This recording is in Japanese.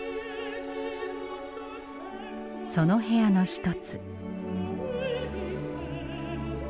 その部屋の一つ。